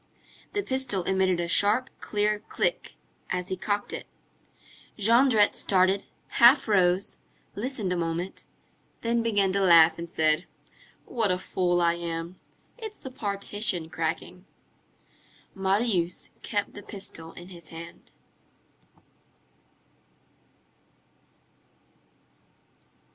The pistol emitted a sharp, clear click, as he cocked it. Jondrette started, half rose, listened a moment, then began to laugh and said:— "What a fool I am! It's the partition cracking!" Marius kept the pistol in his hand.